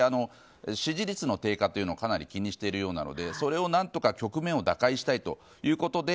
支持率の低下というのをかなり気にしているようなのでその局面を何とか打開したいということで